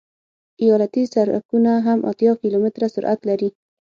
ایالتي سرکونه هم اتیا کیلومتره سرعت لري